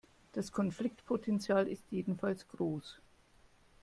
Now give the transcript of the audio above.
Das Konfliktpotenzial ist jedenfalls groß.